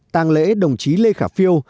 tàng lễ đồng chí lê khả phiêu